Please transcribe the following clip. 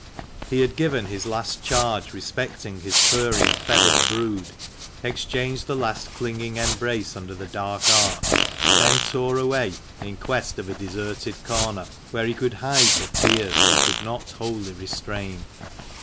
78 THE MANCHESTER MAN. He had given his last charge respecting his furry and feathered brood, exchanged the last clinging embrace under the dark arch, then tore away in quest of a deserted corner, where he could hide the tears he could not wholly restrain.